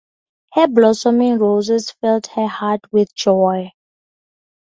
Her blossoming roses filled her heart with joy.